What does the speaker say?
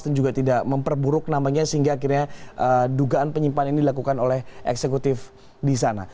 dan juga tidak memperburuk namanya sehingga akhirnya dugaan penyimpanan ini dilakukan oleh eksekutif di sana